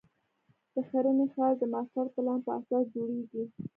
د ښرنې ښار د ماسټر پلان په اساس جوړېږي.